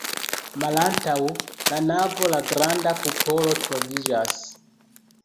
Malantaŭ la navo la granda kupolo troviĝas.